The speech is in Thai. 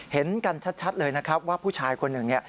เห็นกันชัดเลยนะครับว่าผู้ชายคนหนึ่งเนี่ย